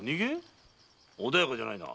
穏やかじゃないな。